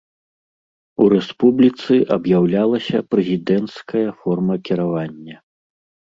У рэспубліцы аб'яўлялася прэзідэнцкая форма кіравання.